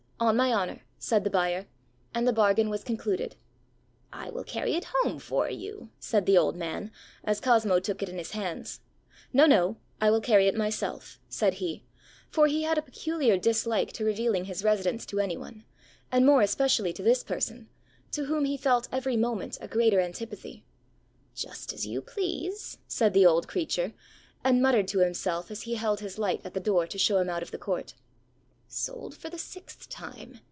ãOn my honour,ã said the buyer; and the bargain was concluded. ãI will carry it home for you,ã said the old man, as Cosmo took it in his hands. ãNo, no; I will carry it myself,ã said he; for he had a peculiar dislike to revealing his residence to any one, and more especially to this person, to whom he felt every moment a greater antipathy. ãJust as you please,ã said the old creature, and muttered to himself as he held his light at the door to show him out of the court: ãSold for the sixth time!